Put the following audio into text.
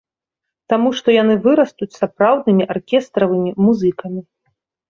Таму што яны вырастуць сапраўднымі аркестравымі музыкамі.